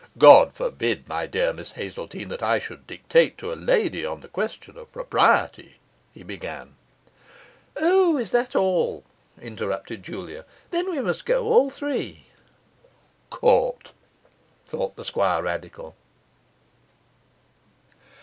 'God forbid, my dear Miss Hazeltine, that I should dictate to a lady on the question of propriety ' he began. 'O, is that all?' interrupted Julia. 'Then we must go all three.' 'Caught!' thought the Squirradical.